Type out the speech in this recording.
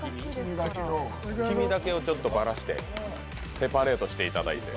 黄身だけをちょっとばらして、セパレートしていただいて。